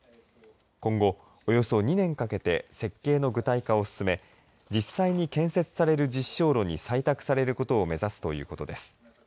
今後、およそ２年かけて設計の具体化を進め実際に建設される実証炉に採択されることを目指すということです。